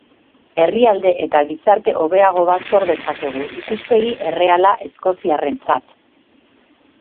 Herrialde eta gizarte hobeago bat sor dezakegu, ikuspegi erreala eskoziarrentzat.